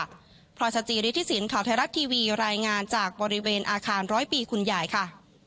หรือไม่ค่ะพศจริษฐศิลป์ข่าวไทยรัฐทีวีรายงานจากบริเวณอาคารร้อยปีคุณใหญ่ค่ะ